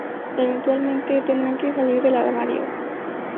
Eventualmente, tendrán que salir del armario".